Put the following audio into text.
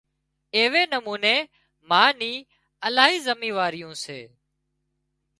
ايوي نموني ما ني الاهي زميواريون سي